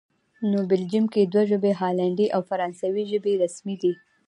نو بلجیم کې دوه ژبې، هالندي او فرانسوي ژبې رسمي دي